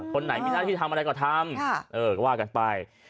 คนไหนมีหน้าที่ทำอะไรก็ทำก็ว่ากันไป